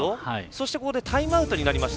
ここでタイムアウトになりました。